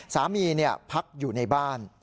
สามีพักอยู่ในบ้าน